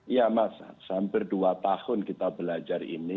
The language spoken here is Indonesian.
ya mas sampai dua tahun kita belajar ini